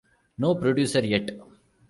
No producer yet.